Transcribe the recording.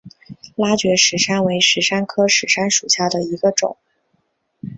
拉觉石杉为石杉科石杉属下的一个种。